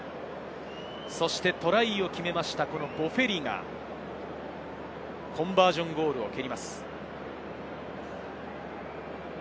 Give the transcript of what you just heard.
そして、トライを決めましたボフェリがコンバージョンゴールを蹴ります。